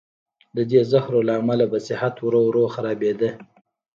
د دې زهرو له امله به صحت ورو ورو خرابېده.